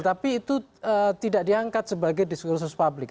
jadi itu tidak diangkat sebagai diskursus publik